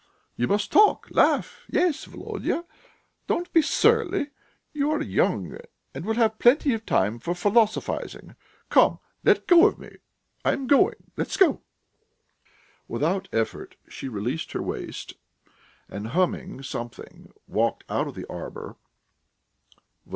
You must talk, laugh.... Yes, Volodya, don't be surly; you are young and will have plenty of time for philosophising. Come, let go of me; I am going. Let go." Without effort she released her waist, and, humming something, walked out of the arbour.